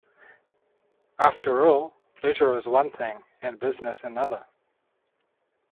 After all, pleasure is one thing and business another.